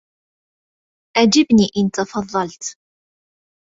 أجبني إن تفضلت